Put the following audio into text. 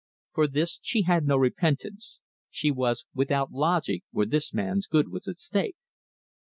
For this she had no repentance; she was without logic where this man's good was at stake.